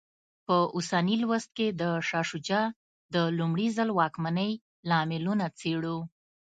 په اوسني لوست کې د شاه شجاع د لومړي ځل واکمنۍ لاملونه څېړو.